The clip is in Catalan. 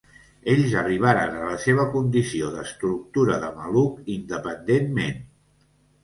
Ells arribaren a la seva condició d'estructura de maluc independentment.